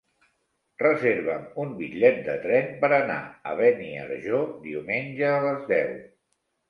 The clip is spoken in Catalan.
Reserva'm un bitllet de tren per anar a Beniarjó diumenge a les deu.